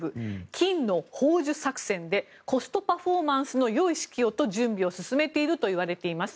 金の宝珠作戦でコストパフォーマンスの良い式をと準備を進めているといいます。